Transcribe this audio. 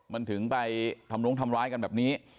มันถึงไปทำลงทำร้ายกันแบบนี้